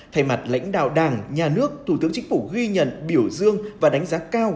thay mặt lãnh đạo đảng nhà nước thủ tướng chính phủ ghi nhận biểu dương và đánh giá cao